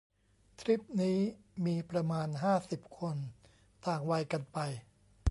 ทริปนี้มีประมาณ ห้าสิบ คน ต่างวัยกันไป